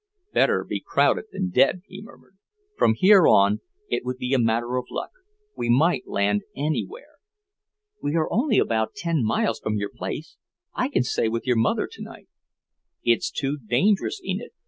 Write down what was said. "Better be crowded than dead," he murmured. "From here on, it would be a matter of luck. We might land anywhere." "We are only about ten miles from your place. I can stay with your mother tonight." "It's too dangerous, Enid.